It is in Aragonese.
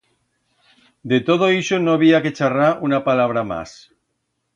De todo ixo no bi ha que charrar una palabra mas.